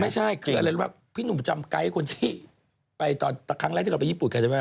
ไม่ใช่คืออะไรแบบพี่หนุ่มจำไกลคนที่ไปตอนครั้งแรกที่เราไปญี่ปุ่น